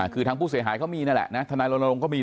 คือทางผู้เสียหายเขามีนั่นแหละนะทนายรณรงค์ก็มี